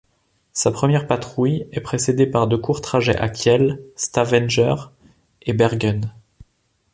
Sa première patrouille est précédée par de courts trajets à Kiel, Stavanger et Bergen.